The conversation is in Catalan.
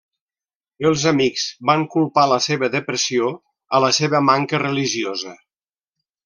Els amics van culpar la seva depressió a la seva manca religiosa.